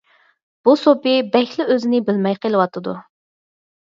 بۇ سوپى بەكلا ئۆزىنى بىلمەي قېلىۋاتىدۇ.